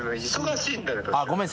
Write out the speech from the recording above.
ごめん。